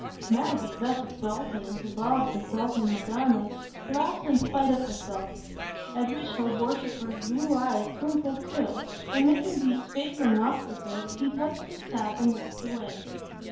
Maggie, thus exalted into Bob's exalting Madonna, laughed in spite of herself; at which her worshipper's blue eyes twinkled too, and under these favouring auspices he touched his cap and walked away.